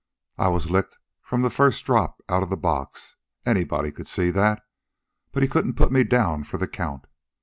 I was licked from the first drop outa the box anybody could see that; but he couldn't put me down for the count.